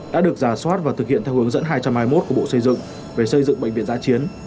đã được giả soát và thực hiện theo hướng dẫn hai trăm hai mươi một của bộ xây dựng về xây dựng bệnh viện giá chiến